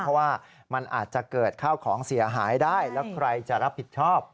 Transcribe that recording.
เพราะว่ามันอาจจะเกิดข้าวของเสียหายได้แล้วใครจะรับผิดชอบ